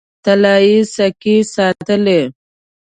طلايي سکې ساتلې.